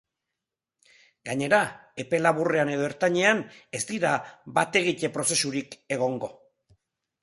Gainera, epe laburrean edo ertainean ez dira bat-egite prozesurik egingo.